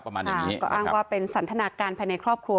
ก็อ้างว่าเป็นสันถนาการภายในครอบครัว